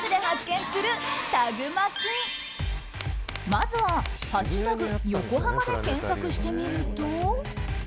まずは「＃横浜」で検索してみると。